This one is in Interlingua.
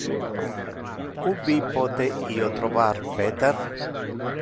Ubi pote io trovar Peter?